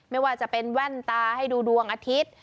ไม่ว่าจะเป็นแว่นตาให้ดูดวงอาทิตย์